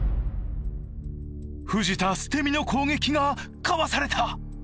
藤田捨て身の攻撃がかわされた！